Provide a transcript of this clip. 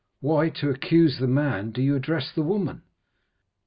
Why, to accuse the man, do you address the woman?"